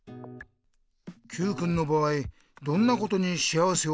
Ｑくんの場合どんなことに幸せをかんじる？